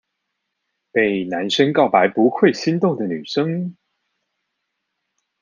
被男生告白不會心動的女生